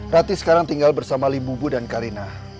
rati sekarang tinggal bersama limbu bu dan kalina